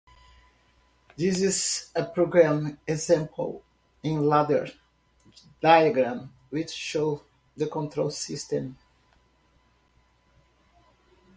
This is a programming example in ladder diagram which shows the control system.